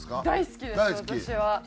大好きです私は。